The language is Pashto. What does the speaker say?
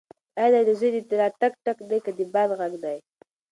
ایا دا د زوی د راتګ ټک دی که د باد غږ دی؟